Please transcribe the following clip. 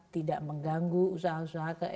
tidak mengganggu usaha usaha